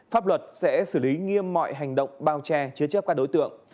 pháp luật sẽ xử lý nghiêm mọi hành động bao che chứa chấp các đối tượng